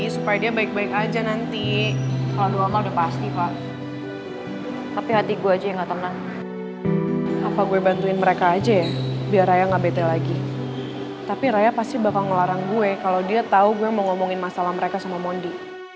saya mau ngomongin masalah mereka sama mondi